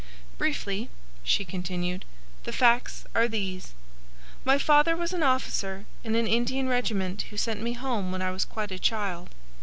"Briefly," she continued, "the facts are these. My father was an officer in an Indian regiment who sent me home when I was quite a child.